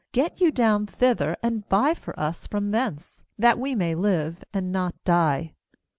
Get you down thither, and buy for us from thence; that we may live, and not die.'